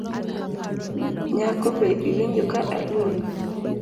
Nyako be iwinjo ka aluongi.